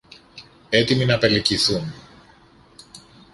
έτοιμοι να πελεκηθούν